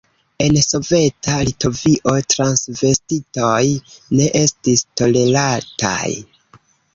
En soveta Litovio transvestitoj ne estis tolerataj.